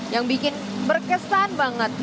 yang bikin berkesan banget